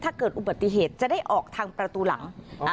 ถ้าเกิดอุบัติเหตุจะได้ออกทางประตูหลัง